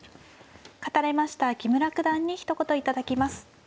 勝たれました木村九段にひと言頂きます。